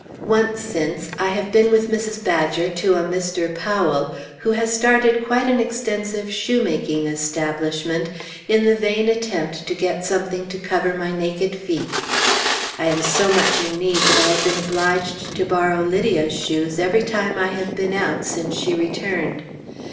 Once since, I have been with Mrs. Badger to a Mr. Powell, who has started quite an extensive shoe making establishment, in the vain attempt to get something to cover my naked feet. I am so much in need that I have been obliged to borrow Lydia's shoes every time I have been out since she returned.